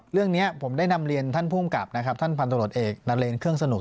เรื่องนี้ผมได้นำเรียนท่านภูมิกับนะครับท่านพันตรวจเอกนาเรนเครื่องสนุก